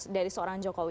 dari seorang jokowi